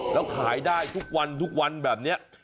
แล้วขายได้ทุกวันทุกวันแบบนี้